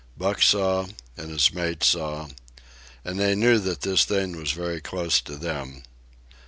Buck saw, and his mates saw, and they knew that this thing was very close to them.